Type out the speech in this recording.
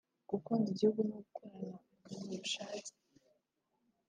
gukunda igihugu no gukorana akazi ubushake ”